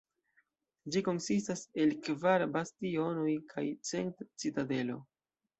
Ĝi konsistas el kvar bastionoj kaj centra citadelo.